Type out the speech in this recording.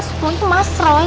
semua itu mas roy